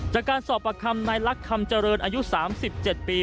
จากการสอบประคำนายลักษณ์คำเจริญอายุสามสิบเจ็ดปี